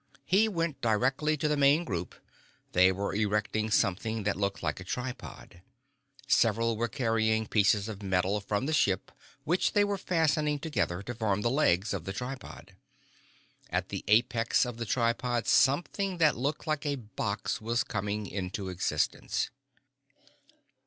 He went directly to the main group. They were erecting something that looked like a tripod. Several were carrying pieces of metal from the ship which they were fastening together to form the legs of the tripod. At the apex of the tripod something that looked like a box was coming into existence.